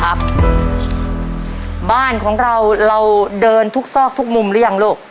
บ้านของเราเราเดินทุกซอกทุกมุมหรือยังลูก